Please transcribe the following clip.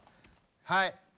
はい。